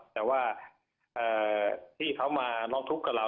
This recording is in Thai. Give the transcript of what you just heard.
แต่ว่าที่เขามาร้องทุกข์กับเรา